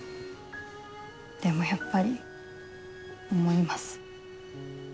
でもやっぱり思います。